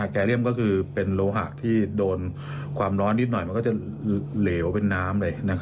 เรียมก็คือเป็นโลหะที่โดนความร้อนนิดหน่อยมันก็จะเหลวเป็นน้ำเลย